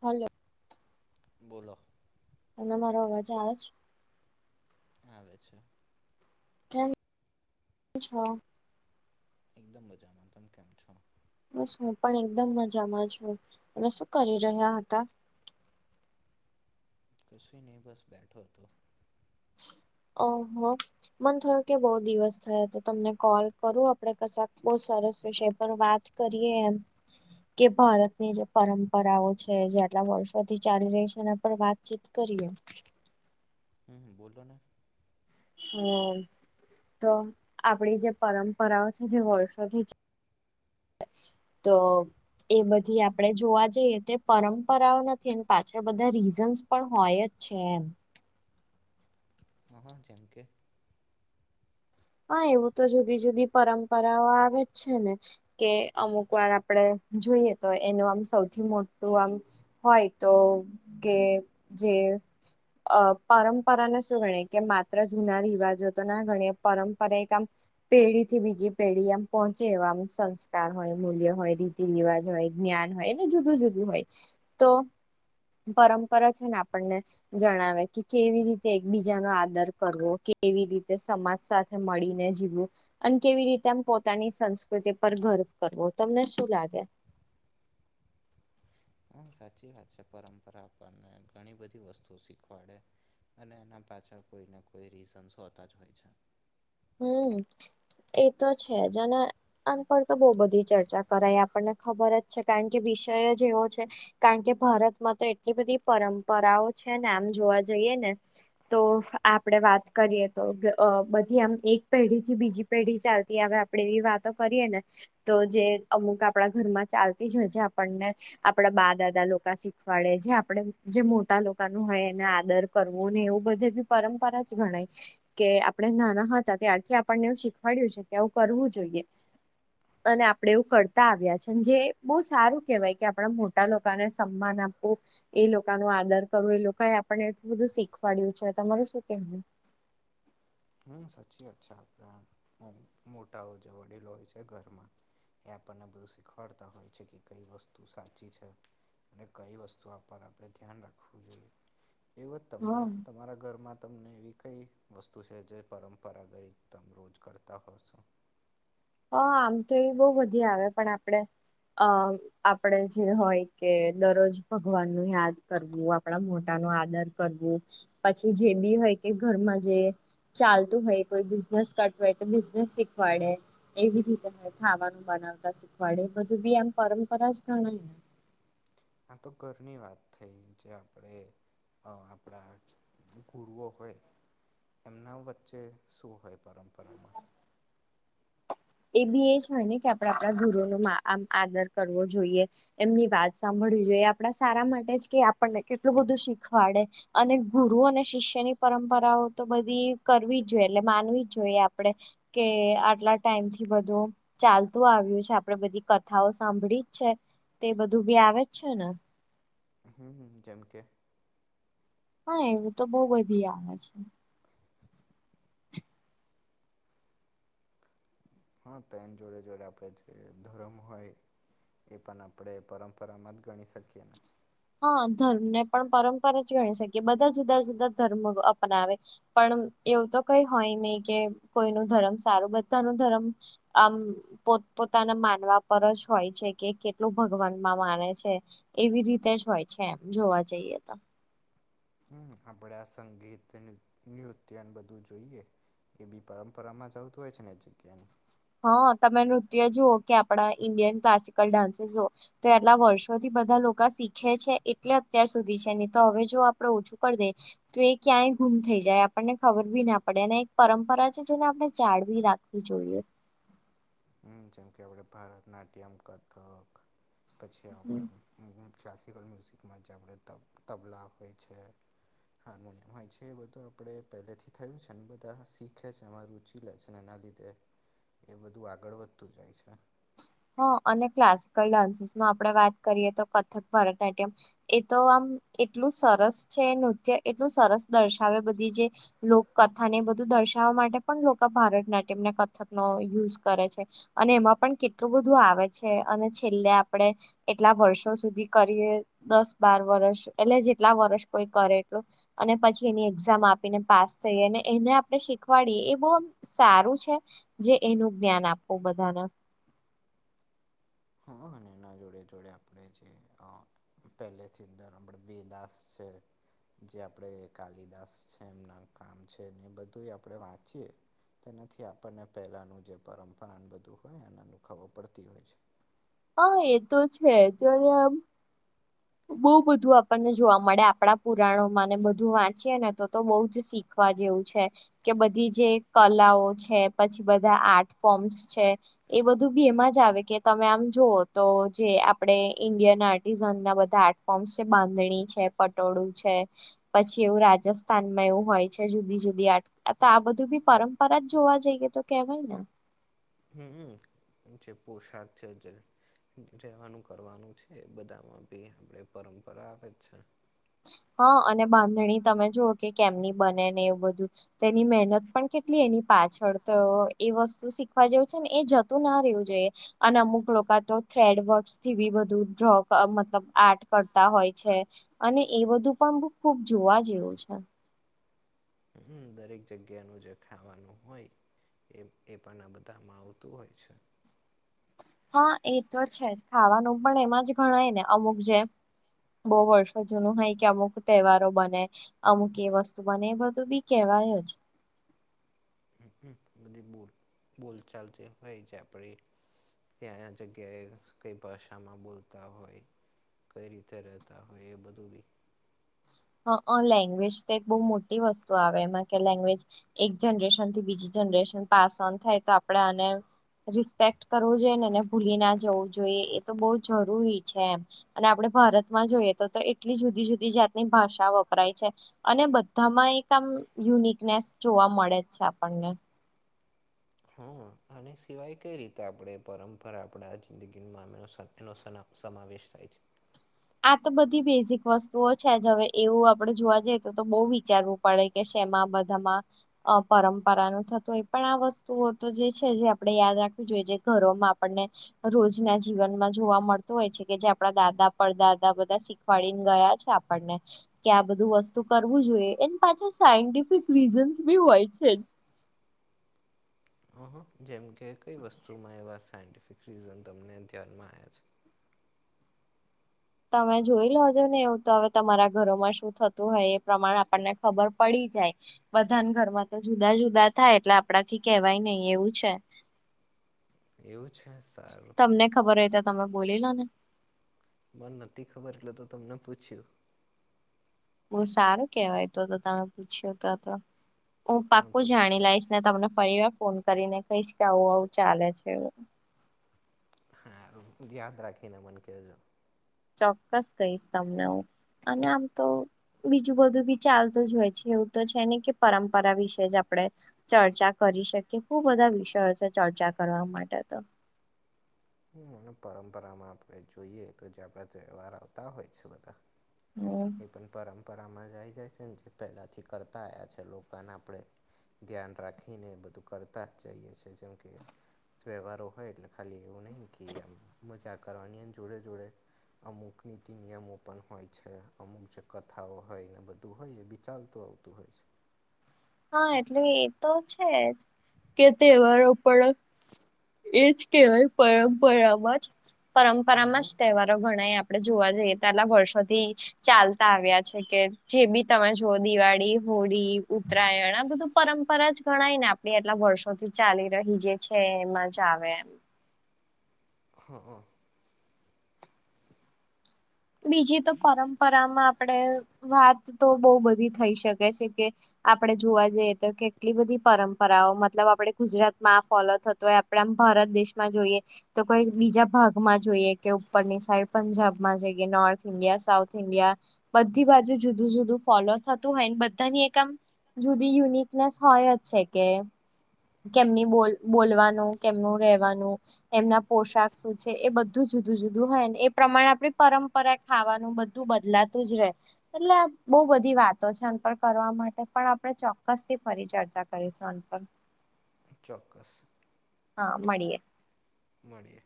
Hello બોલો તને મારો અવાજ આવે છે? આવે છે. કેમ છો? એકદમ મજામાં તમે કેમ છો? બસ હું પણ એકદમ મજામાં છું અને શું કરી રહ્યા હતા? કસુનય બસ બેઠો હતો. ઓહો મન થયું કે બહુ દિવસ થયા છે તમને કોલ કરું આપડે કશાક બો સરસ વિષય પર વાત. કરીએ એમ. કે ભારતની જે પરંપરાઓ છે જે આટલા વર્ષોથી ચાલી રહી છે એના પર વાતચીત. કરીએ હમ હમ બોલો ને હમ તો આપડી જે પરંપરાઓ છે જે વર્ષોથી તો એ બધી આપડે જોવા જઈએ તે પરંપરાઓ નથી અએની પાછળ બધા રીઝન્સ પણ હોય જ છે એમ. હા હા જેમ કે, હા એવું તો જુદી જુદી પરંપરાઓ આવેજ છે ને, કે અમુક વાર આપડે જોયે તો એનું સૌથી મોટું આમ હોય તો કે જે અ પરંપરાને શું ગણીએ કે માત્ર જૂના રિવાજો તો ના ગણીએ પરંમપરા એક આમ પેઢીથી બીજી પેઢી એમ પહોંચે એવા અમુક સંસ્કાર હોય મૂલ્ય હોય. રીતિ રિવાજ હોય જ્ઞાન હોય એ જુદું જુદું હોય તો પરંપરા છે ને આપણને જણાવે કે કેવી રીતે એકબીજાનો આદર કરવો કેવી રીતે સમાજ સાથે મળીને જીવવું. અને કેવી રીતે આમ પોતાની સંસ્કૃતિ પર ગર્વ કરવો તમને શું લાગે? હા સાચી વાત છે. પરંપરા આપણને ઘણી બધી વસ્તુ શીખવાડે. અને એના પાછળ કોઈને કોઈ રીઝન્સ હોતા જ હોય છે. હમ એ તો છે જ અને આન પર તો બોવ બધી ચર્ચા કરાય આપને ખબર જ છે કારણ કે વિષય જ એવો છે કારણ કે ભારતમાં તો એટલી બધી પરંપરાઓ છે ને આમ જોવા જઈએ ને તો આપડે વાત કરીએ તો બધી એમ એક પેઢીથી બીજી પેઢી ચાલતી આવે આપડે એવી વાતો કરીએ ને તો જે અમુક આપડા ઘરમાં ચાલતી જ હોય છે આપણને આપડા બા દાદા લોકા શીખ શીખવાડે છે આપડે જે મોટા લોકાનું હોય એને આદર કરવો ને એવું બધું બી પરંપરા જ ગણાય. કે આપડે નાના હતા ત્યારથી આપણને એવું શીખવાડ્યું છે કે આવું કરવું જોઈએ. [inaudible] અને આપડે એવું કરતા આવ્યા છે અન જે બહુ સારું કેહેવાય કે આપણા મોટા લોકાને સન્માન આપવું એ લોકા નો આદર કરવું એ લોકાએ આપણને એટલું બધું શીખવાડ્યું છે. તમારું શું કેહેવું? હા સાચી વાત છે આપડે આ. એમ મોટાઓ જે વડીલો હોય છે ઘરમાં એ આપણને બધું શીખવાડતા હોય છે કે કઈ વસ્તુ સાચી છે. અને કઈ વસ્તુ આ પણ આપડે ધ્યાન રાખવું જોઈએ. એવુંજ હા તમને તમારા ઘરમાં તમને એવી કઈ વસ્તુ છે જે પરંપરા ગઈ તમે રોજ કરતા હશો. હ આમ તો એવી બોવ વધી આવે પણ આપડે અ આપડે જે હોય કે દરરોજ ભગવાનને યાદ કરવું, આપણા મોટા નો આદર કરવું પછી જે બી હોય કે ઘરમાં જે ચાલતું હોય કોઈ બિઝનેસ કરતું હોય તો બિઝનેસ શીખવાડે. એવી રીતે હવે ખાવાનું બનાવતા શીખવાડે એ બધું બી એમ પરંપરા જ ગણાય ને. આ તો ઘરની વાત થઈ જે આપડે આપડા ગુરુઓ હોય એમના વચ્ચે શું હોય પરંપરામાં? એ બી એ જ હોય ને કે આપડે આપડા ગુરુનો આમ આદર કરવો જોઈએ. એમની વાત સાંભળવી જોઈએ. આપણા સારા માટે જ કે આપણને કેટલું બધું શીખવાડે. અને ગુરુ અને શિષ્યની પરંપરાઓ તો બધી કરવી જ જોઈએ એટલે માનવી જ જોઈએ આપડે કે આટલા ટાઈમથી બધું ચાલતું આવ્યું છે. આપડે બધી કથાઓ સાંભળી જ છે. તે બધું બી આવે જ છે ને હમ. જેમ કે હા એવું તો બોવ બધી આવે છે. હા તો એની જોડે જોડે આપણે જે ધરમ હોય. એ પણ આપડે પરંપરામાં જ ગણી શકીએ ને હ, ધર્મને પણ પરંપરા જ હોય જ છે બધા જુદા-જુદા ધર્મ અપનાવે. પણ એવું તો કઈ હોય નહી કે, કોઈનો ધર્મ સારું બધાનો ધર્મ... આમ, પોત-પોતાના માનવા પર જ હોય છે કે, કેટલું ભગવાનમાં માને છે. એવી રીતે જ હોય છે એમ, જોવા જઈએ તો. હમ, આપડે આ સંગીતને-નૃત્યને બધું જોઈએ. એબી પરંપરામાં જ આવતું હોય છે ને, એ જગ્યાની. હ, તમે નૃત્ય જુઓ કે આપડા ઇન્ડિયન ક્લાસિકલ ડાન્સીસઓ. તે એટલા વર્ષોથી બધા લોકા શીખે છે, એટલે અત્યાર સુધી છે. ની તો હવે જો આપડે ઓછું કરી દેશ. તો એ ક્યાંય ગુમ થઈ જાય. આપણને ખબર બી ના પડે અને એક પરંપરા છે જેને આપડે જાડવી રાખ જોઈએ. હમ જેમકે આપણે ભારતનાટ્યમ, કથક પછી આપણે ક્લાસિકલ મ્યુઝિકમાં [unintelligible] તબ તબલા હોય છે. હાને એમાય છે એ બધું આપડે પહેલેથી થયું છે અને બધા શીખે છે. અમારું [unintelligible] લે છે ને એના લીધે એ બધું આગળ વધતું જાય છે. હ અને ક્લાસિકલ ડાન્સીસમાં આપણે વાત કરીએ તો કથક ભરતનાટ્યમ... એ તો આમ એટલું સરસ છે. નૃત્ય એટલું સરસ દર્શાવે બધી જે લોક કથાને બધું દર્શાવવા માટે પણ લોકો ભારત નાટ્યમને કથકનો યુઝ કરે છે. અને એમાં પણ કેટલું બધું આવે છે અને છેલ્લે આપડે... એટલા વર્ષો સુધી કરીએ દસ બાર વર્ષ એટલે જેટલા વર્ષ પછી કોઈ કરેલું. અને પછી એની એક્ઝામ આપીને પાસ થઈ અને એને આપણે શીખવાડીએ એ બહુ સારું છે. જે એનું જ્ઞાન આપવું બધાને હા અને એના જોડે-જોડે આપણે છે હા. પહેલેથી જ [unintelligible] છે જે કાલિદાસ છે એમના કામ છે ને એ બધું આપણે વાંચીએ. તેનાથી આપણને પહેલાંનું જે પરંપરાન બધું હોય અને એનું ખબર પડતી હોય છે. હા એ તો છે જ્યારે આમ, બહુ બધું આપણને જોવા મળે આપણા પુરાણોમાં ને બધું વાંચીએ ને તો તો બઉ જ શીખ ખવા જેવું છે. કે બધી જે કલાઓ છે પછી બધા આર્ટ ફોર્મ્સ છે. એ બધું બી એમાં જ આવે કે તમે આમ જુઓ તો જે આપણે ઇન્ડિયન આર્ટિઝન ના બધ [unintelligible] છે, બાંધણી છે, પટોળું છે. પછી એવું રાજસ્થાનમાં એવું હોય છે જુદી જુદી આ તો આ બધું બી પરંપરા જ જોવા જઈએ તો કેવાય ને [unintelligible] [unintelligible] રેવાનું કરવાનું છે એ બધામાં બી આપડે પરંપરા આવે જ છે. હા, અને બાંધણી તમે જુઓ કે કેમની બને ને એવું બધું. તો એની મહેનત પણ કેટલી એની પાછળ તો એ વસ્તુ શીખવા જેવું છે ને એ જતું ના રહેવું જોઈએ. અને અમુક લોકો તો થ્રેડ વર્કસથી બી બધું ડ્રો અ મતલબ આર્ટ કરતા હોય છે. અને એ બધું પણ ખુબ જોવા જેવું છે. દરેક જગ્યાનું જે ખાવાનું હોય... એ પણ આ બધામાં આવતું હોય છે. હા એ તો છે જ ખાવાનું પણ એમાં જે ગણાય ને અમુક જેમ, બહુ વર્ષો જૂનું હોય કે અમુક તહેવારો બને. અમુક એ વસ્તુ બને એ બધું બી કેવાય જ હ, હ બધી બોલ, બોલ ચાલ જે હોય, જે આપરી. ત્યાં આ જગ્યાએ કંઈ ભાષામાં બોલતા હોય. કઈ રીતે રહેતા હોય, એ બધું બી. હ, અ લેંગ્વેજ તો એક બહુ મોટી વસ્ત આવે, એમાં કે લેંગ્વેજ એક જનરેશન થી બીજી જનરેશન. પાસ ઓન થાય તો આપડા અને [unintelligible] એક્ટ કરવો જોઈએ ને, ભૂલી ના જવું જોઈએ, એ તો બહુ જરૂરી છે એમ. અને આપણે ભારતમાં જોઈએ તો, તો એટલી જુદી-જુદી જાતની ભાષા વપરાય છે. અને બધામાં એક આમ યુનિકનેસ જોવા મળે જ છે આપણને. હા, અને સિવાય કઈ રીતે આપણે પરંપરા આપડા જિંદગીમાં એનો સમાવેશ થાય છે. આ તો બધી બેઝિક વસ્તુઓ છે, જ હવે એવું આપડે જોવા જઈએ તો, તો બહુ વિચારવું. પડે કે છેમાં બધામાં. અ પરંપરા ન થતું, એ પણ આ વસ્તુઓ તો જે છે, જે આપણે યાદ રાખવું જોઈએ, જે ઘરોમાં આપણને રોજના જીવનમાં જોવા મળતું હોય કે, જે આપડા દાદા પર દાદા બધા શીખવાડીને ગયા છે આપણને. કે આ બધું વસ્તુ કરવું જોઈએ, એ ન પાછા સાયન્ટિફિક રીઝન્સ બી હોય છે જ. હા, જેમકે કઈ વસ્તુમાં એવા સાયન્ટિફિક રીઝન તમને ધ્યાનમાં આવ્યા છે. તમે જોઈ લોજો ને એવું તો હવે, તમારા ઘરોમાં શું થતું હોય એ પ્રમાણે આપણને ખબર પડી જાય. બધાને ઘરમાં તો જુદા-જુદા થાય, એટલે આપણા થી કેવાય નહિ એવું છે. એવું છે? સારું તમને ખબર હોય તો, તમે બોલી લો ને? મેમ નથી ખબર, એટલે તો તમને પૂછ્યું. બો સારું કેવાય તો, તો તમે પૂછ્યું તો, તો હું હા તો પાક્કું જાણી લાઇશ. ને તમને ફરી વાર ફોન કરીને કહીશ કે, આવું આવું ચાલે છે એ. હા, હારુ યાદ રાખીને, મન કે જે. ચોક્કસ કહીશ તમને, હું અને આમ તો બીજું બધું બી ચાલતું જ હોય છે, એવું તો છે ને કે, પરંપરા વિશે જ આપડે ચર્ચા કરી શકી, હું બધા વિષયો છે, ચર્ચા કરવા માટે તો. હમ, પરંપરામાં આપણે જોઈએ તો, જે આપણા તહેવાર આવતા હોય છે બધા. [unintelligible] એ પણ પરંપરામાં જ આવી જાય છે, ને જે પહેલાંથી કરતા આયા છે, લોકોને આપણે ધ્યાન રાખીને બધું કરતા જઇએ છે, જેમ કે તહેવારો હોય એટલે ખાલી એવું નહીં કે આમ મઝા કરવાની, એન જોડે-જોડે અમુક નીતિ નિયમો પણ હોય છે, અમુક જે કથાઓ હોય ને, બધું હોય એ બી. ચાલતું આવતું હોય. હા, એટલે એ તો છે જ કે, તહેવારો પણ એજ કહેવાય પરંપરામાં જ, પરંપરામાં જ તહેવારો ગણાય આ. આપડે જોવા જઈએ, આટલા વર્ષોથી ચાલતા આવ્યા છે કે, જે બી તમે જો દિવાળી, હોળી, ઉત્તરાયણ આ બધું પરંપરા જ ગણાય ને? આપણે એટલા વર્ષોથી ચાલી રહી જે છે, એમાં જ આવે એમ. હ હ. બીજી તો પરંપરામાં આપણેે વાત બો બધી થઈ શકે છે કે. આપડે જોવા જઈએ તો, કેટલી બધી પરંપરાઓ, મતલબ આપડે ગુજરાતમાં આ ફોલો થતો હોય. આમ ભારત દેશમાં જોઇએ. તો કોઈ બીજા ભાગમાં જોઈએ કે ઉપરની સાઈડ પંજાબમાં જઇ કે નોર્થ ઈન્ડિયા, સાઉથ ઇડિયા બધી બાજુ જુદું જુદું ફોલો થતું હોયન, બધાની એક આમ જુદી યુનિકનેસ હોય જ છે કે કેમની બોલ બોલવાનું, કેમનું રહેવાનું એમના પોશાક શું છે, એ બધું જુદું જુદું હોય ને એ પ્રમાણે આપડે પરંપરા ખાવાનું બધું બદલાતું જ રહે છે. એટલે બો બધી વાતો છે આન પર કરવા માટે, પણ આપણે ચોક્કસથી ફરી ચર્ચા કરીશું આન પર. ચોક્કસ. હા, મળીએે. મળીએ.